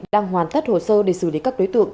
đang hoàn tất hồ sơ để xử lý các đối tượng